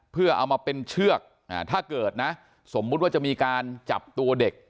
เพื่อเอามาเป็นเชือกถ้าเกิดนะสมมุติว่าจะมีการจับตัวเด็ก